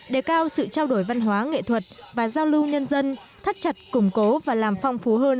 đề cao sự trao đổi văn hóa nghệ thuật và giao lưu nhân dân thắt chặt củng cố và làm phong phú hơn